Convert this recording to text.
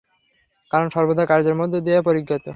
কারণ সর্বদা কার্যের মধ্য দিয়াই পরিজ্ঞাত।